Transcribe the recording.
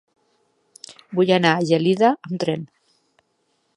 Vull anar a Gelida amb tren.